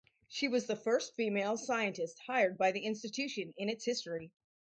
She was the first female scientist hired by the institution in its history.